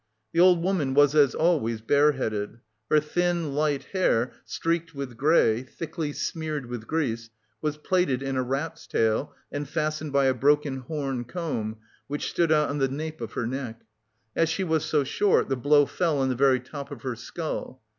The old woman was as always bareheaded. Her thin, light hair, streaked with grey, thickly smeared with grease, was plaited in a rat's tail and fastened by a broken horn comb which stood out on the nape of her neck. As she was so short, the blow fell on the very top of her skull.